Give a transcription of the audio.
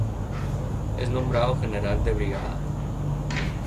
Es nombrado General de Brigada.